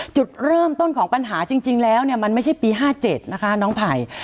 จุดเริ่มต้นของปัญหาจริงแล้วเนี่ยมันไม่ใช่ปี๕๗นะคะน้องไผ่